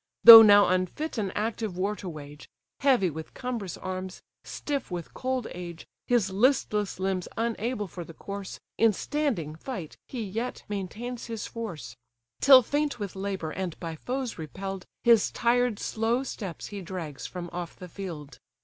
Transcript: Though now unfit an active war to wage, Heavy with cumbrous arms, stiff with cold age, His listless limbs unable for the course, In standing fight he yet maintains his force; Till faint with labour, and by foes repell'd, His tired slow steps he drags from off the field.